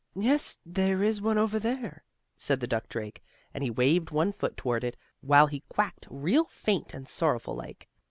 "Yes, there is one over there," said the duck drake, and he waved one foot toward it, while he quacked real faint and sorrowful like.